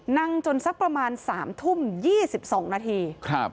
นั่งจนสักประมาณ๓ทุ่ม๒๒นาที